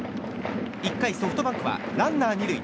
１回、ソフトバンクはランナー、２塁。